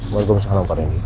waalaikumsalam pak rendy